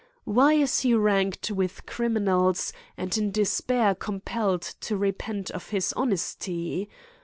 Why is he ranked with criminals, and in despair compelled to repent of his honesty